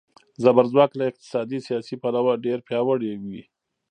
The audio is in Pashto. زبرځواک له اقتصادي، سیاسي پلوه ډېر پیاوړي وي.